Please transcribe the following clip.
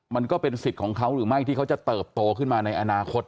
มันก็เป็นสิทธิ์ของเขาหรือไม่ที่เขาจะเติบโตขึ้นมาในอนาคต